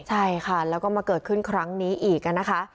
ใช่ค่ะแล้วก็มาเกิดขึ้นครั้งนี้อีกนะคะ